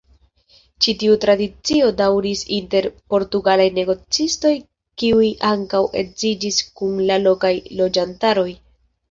Ĉi tiu tradicio daŭris inter portugalaj negocistoj kiuj ankaŭ edziĝis kun la lokaj loĝantaroj.